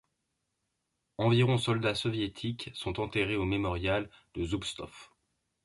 Environ soldats soviétiques sont enterrés au mémorial de Zoubstov.